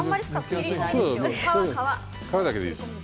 皮だけでいいですよ。